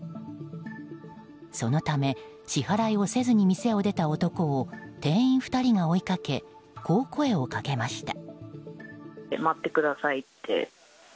そのため支払いをせずに店を出た男を店員２人が追いかけこう声をかけました。